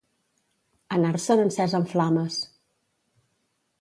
Anar-se'n encés en flames.